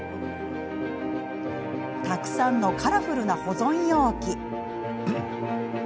たくさんのカラフルな保存容器。